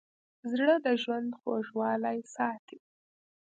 زړه د ژوند خوږوالی ساتي.